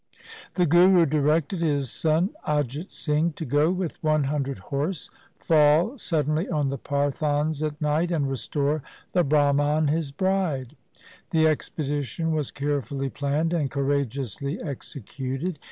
The Guru directed his son Ajit Singh to go with one hundred horse, fall suddenly on the Pathans at night, and restore the Brahman his bride. The expedition was carefully planned and courageously executed.